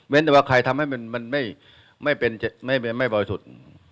เว้นแต่ว่าใครทำให้มันไม่เป็นไม่บริสุทธิ์